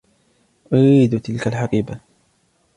أريد تلك الحقيبة.